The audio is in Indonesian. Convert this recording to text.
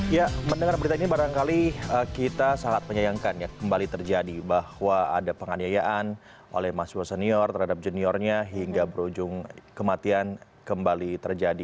ya mendengar berita ini barangkali kita sangat menyayangkan ya kembali terjadi bahwa ada penganiayaan oleh mahasiswa senior terhadap juniornya hingga berujung kematian kembali terjadi